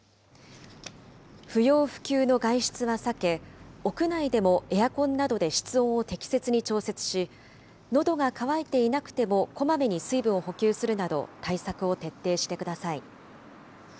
不要不急の外出は避け、屋内でもエアコンなどで室温を適切に調節し、のどが渇いていなくてもこまめに水分を補給するなど、対策を徹底してください。